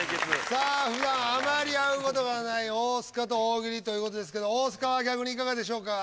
さあふだんあまり会う事がない大須賀と「大喜利」という事ですけど大須賀は逆にいかがでしょうか？